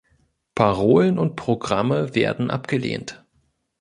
Parolen und Programme werden abgelehnt.